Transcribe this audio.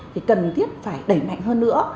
thì cần thiết phải đẩy mạnh hơn nữa